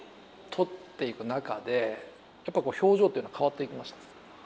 撮っていく中でやっぱり表情というのは変わっていきましたか。